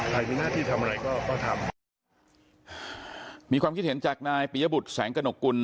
มีหน้าที่ทำอะไรก็ก็ทำมีความคิดเห็นจากนายปียบุตรแสงกระหนกกุล